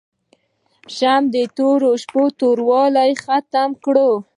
شمعه د تورې شپې توروالی ختم کړ.